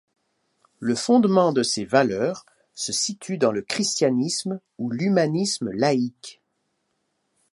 Le fondement de ses valeurs se situe dans le christianisme ou l'humanisme laïque.